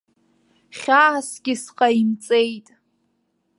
Хьаасгьы сҟаимҵеит.